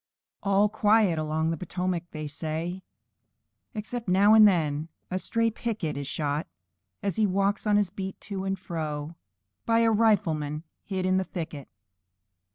] "All quiet along the Potomac to night!" Except here and there a stray picket Is shot, as he walks on his beat, to and fro, By a rifleman hid in the thicket.